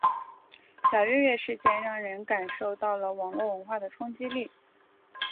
小月月事件让人感受到了网络文化的冲击力。